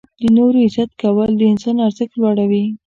• د نورو عزت کول د انسان ارزښت لوړوي.